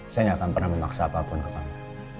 saya gak akan pernah memaksa apapun ke kami